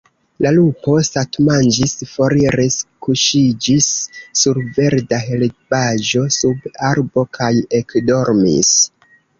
La lupo satmanĝis, foriris, kuŝiĝis sur verda herbaĵo sub arbo kaj ekdormis.